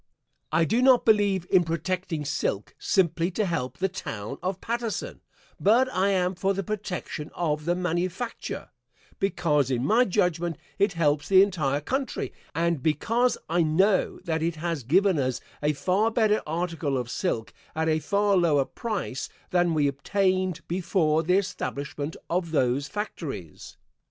I do not believe in protecting silk simply to help the town of Paterson, but I am for the protection of the manufacture, because, in my judgment, it helps the entire country, and because I know that it has given us a far better article of silk at a far lower price than we obtained before the establishment of those factories.